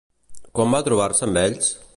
Quan va trobar-se amb ells?